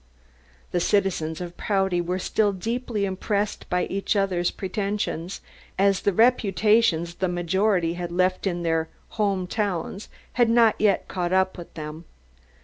The citizens of Prouty were still deeply impressed by each other's pretensions, as the reputations the majority had left in their "home towns" had not yet caught up with them.